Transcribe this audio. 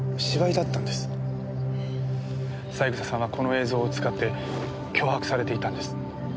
三枝さんはこの映像を使って脅迫されていたんです。